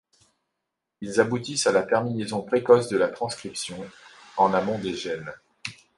Ils aboutissent à la terminaison précoce de la transcription, en amont des gènes.